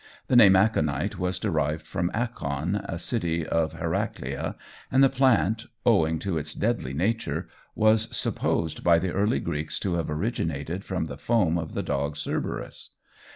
The name aconite was derived from Akon, a city of Heraclea, and the plant, owing to its deadly nature, was supposed by the early Greeks to have originated from the foam of the dog Cerberus.